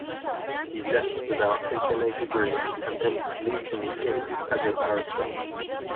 He left without taking a degree, and entered Lincoln's Inn as a barrister.